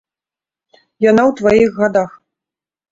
Яна ў тваіх гадах.